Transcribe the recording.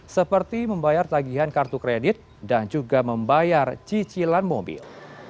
seperti membayar tagihan kartu kredit dan juga membayar cicilan mobil